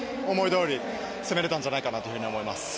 どおに攻めれたんじゃないかなと思います。